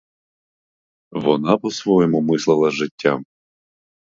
Вона по-своєму мислила життя.